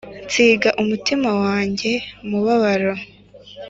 nsiga umutima wanjye mubabaro